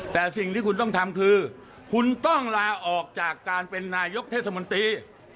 แต่สิ่งที่คุณต้องทำคือคุณต้องลาออกจากการเป็นนายกเทศมนตรี